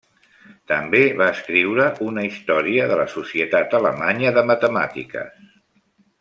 També va escriure una història de la Societat Alemanya de Matemàtiques.